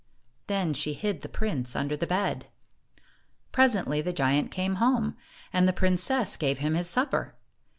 Then she hid the prince under the bed. Presently, the giant came home, and the prin cess gave him his supper.